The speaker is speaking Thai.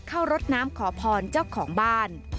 รดน้ำขอพรเจ้าของบ้าน